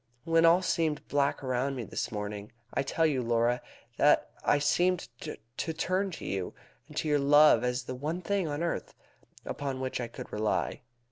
When all seemed black around me this morning, I tell you, Laura, that I seemed to turn to you and to your love as the one thing on earth upon which I could rely.